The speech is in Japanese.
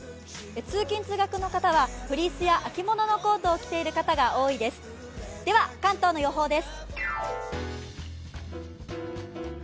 通勤・通学の方はフリースや秋物のコートを着ている方が多いです。